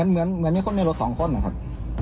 เหมือนคุณมีรถสองคนเหรอครับ